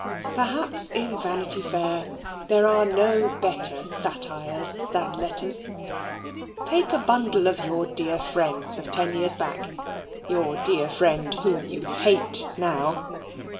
Perhaps in Vanity Fair there are no better satires than letters. Take a bundle of your dear friend's of ten years back your dear friend whom you hate now.